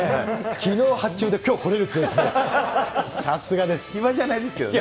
きのう発注で、きょう来れるっていうね。